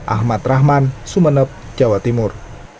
ahmad rahman sumeneb jawa timur